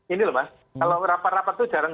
ini loh mas kalau rapat rapat itu jarang